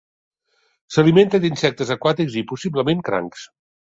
S'alimenta d'insectes aquàtics i, possiblement, crancs.